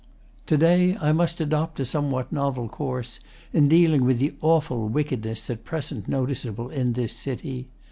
] To day I must adopt a somewhat novel course In dealing with the awful wickedness At present noticeable in this city.